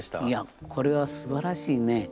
いやこれはすばらしいね。